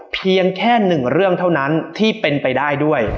เพียงแค่หนึ่งเรื่องเท่านั้นที่เป็นไปได้ด้วย